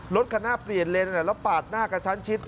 รถขนาดเปลี่ยนเลนส์แล้วปาดหน้ากับชั้นชิด